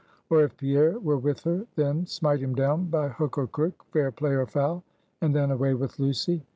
Or if Pierre were with her, then, smite him down by hook or crook, fair play or foul; and then, away with Lucy!